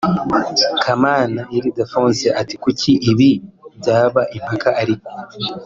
Kamana Ildephonse ati “Kuki ibi byaba impaka ariko